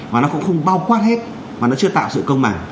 và nó cũng không bao quát hết mà nó chưa tạo sự công bằng